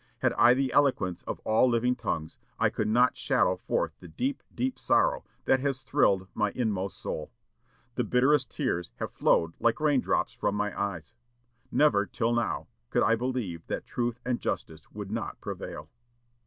Had I the eloquence of all living tongues, I could not shadow forth the deep, deep sorrow that has thrilled my inmost soul. The bitterest tears have flowed like rain drops from my eyes. Never, till now, could I believe that truth and justice would not prevail."